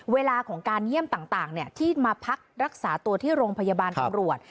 เวลาของการเยี่ยมต่างที่มาพักรักษาตัวที่โรงพยาบาลตำรวจ